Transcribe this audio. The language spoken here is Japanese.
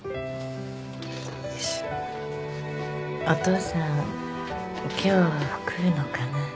お父さん今日来るのかな。